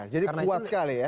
jadi kuat sekali ya